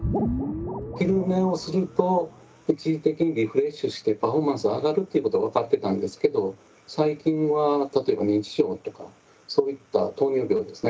昼寝をすると一時的にリフレッシュしてパフォーマンスが上がるということが分かってたんですけど最近は例えば認知症とかそういった糖尿病ですね